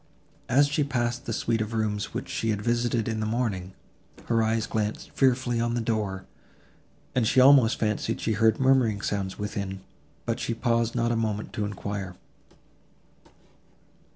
As she passed the suite of rooms which she had visited in the morning, her eyes glanced fearfully on the door, and she almost fancied she heard murmuring sounds within, but she paused not a moment to enquire.